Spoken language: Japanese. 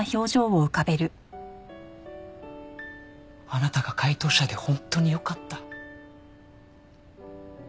あなたが解答者で本当によかった。